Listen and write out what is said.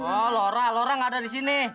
oh laura laura gak ada di sini